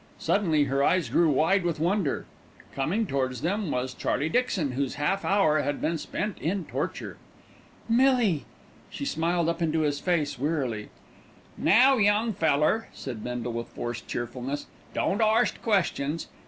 Suddenly her eyes grew wide with wonder; coming towards them was Charlie Dixon, whose half hour had been spent in torture. "Millie!" She smiled up into his face wearily. "Now, young feller," said Bindle with forced cheerfulness, "don't arst questions.